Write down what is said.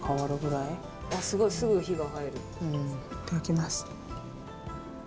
いただきます。